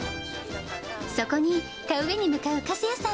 そこに田植えに向かう粕谷さん